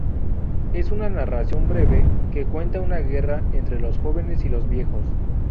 Es una narración breve, que cuenta una guerra entre los jóvenes y los viejos.